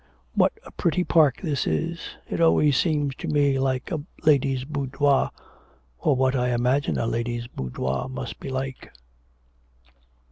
'What a pretty park this is. It always seems to me like a lady's boudoir, or what I imagine a lady's boudoir must be like.'